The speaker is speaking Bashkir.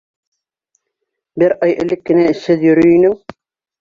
Бер ай элек кенә эшһеҙ йөрөй инең!